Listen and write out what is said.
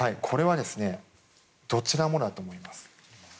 これはどちらもだと思います。